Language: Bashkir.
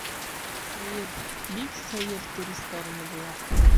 Сәйер, бик сәйер туристар ине былар.